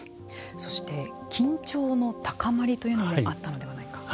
そして、緊張の高まりというのもあったのではないかと。